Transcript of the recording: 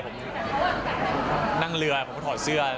ผมไปทะเลผมนั่งเรือผมถอดเสื้อ